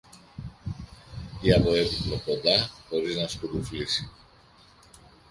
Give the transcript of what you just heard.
ή από έπιπλο κοντά χωρίς να σκουντουφλήσει.